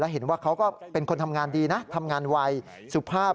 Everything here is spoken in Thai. เห็นว่าเขาก็เป็นคนทำงานดีนะทำงานไวสุภาพ